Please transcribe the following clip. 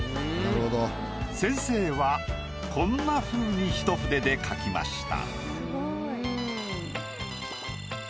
先生はこんなふうに一筆で描きました。